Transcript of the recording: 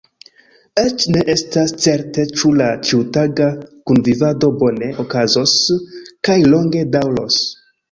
Eĉ ne estas certe ĉu la ĉiutaga kunvivado bone okazos kaj longe daŭros.